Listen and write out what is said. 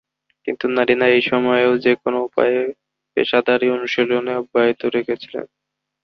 কিন্তু নারীরা এই সময়েও যেকোনো উপায়ে পেশাদারী অনুশীলন অব্যাহত রেখেছিলেন।